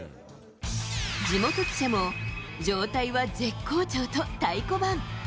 地元記者も、状態は絶好調と、太鼓判。